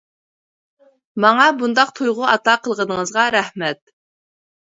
ماڭا بۇنداق تۇيغۇ ئاتا قىلغىنىڭىزغا رەھمەت!